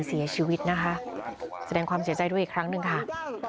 เสียชีวิตนะคะแสดงความเสียใจด้วยอีกครั้งหนึ่งค่ะ